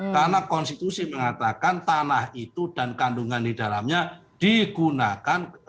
karena konstitusi mengatakan tanah itu dan kandungan di dalamnya digunakan